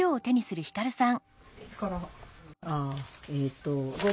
いつから？